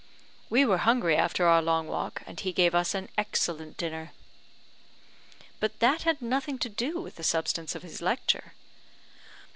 "We were hungry after our long walk, and he gave us an excellent dinner." "But that had nothing to do with the substance of his lecture."